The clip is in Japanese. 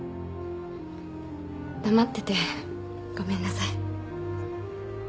黙っててごめんなさい。